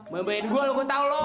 membanyain gua lo gua tahu lo